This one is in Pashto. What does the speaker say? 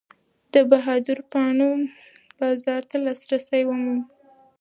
د بهادرو پاڼو بازار ته لاسرسی ومومئ.